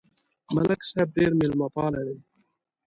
ملک صاحب ډېر مېلمهپاله دی.